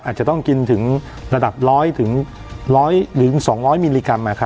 อาจจะต้องกินถึงระดับ๑๐๐๒๐๐มิลลิกรัม